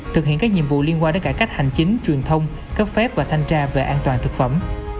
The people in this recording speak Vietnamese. thực hiện các nhiệm vụ liên quan đến cải cách hành chính truyền thông cấp phép và thanh tra về an toàn thực phẩm